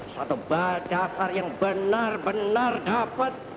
suatu dasar yang benar benar dapat